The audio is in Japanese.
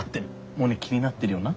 モネ気になってるよな？